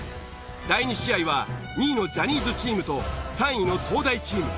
第２試合は２位のジャニーズチームと３位の東大チーム。